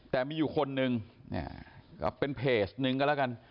แต่มีอยู่คนนึงเป็นเพจนึงก็ละกัน